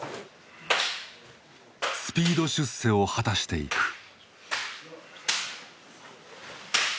スピード出世を果たしていく。